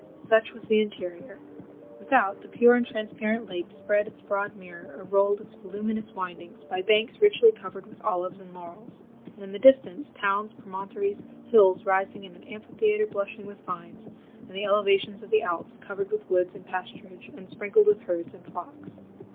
Such was the interior! Without, the pure and transparent lake spread its broad mirror, or rolled its voluminous windings, by banks richly covered with olives and laurels; and in the distance, towns, promontories, hills rising in an amphitheatre blushing with vines, and the elevations of the Alps covered with woods and pasturage, and sprinkled with herds and flocks.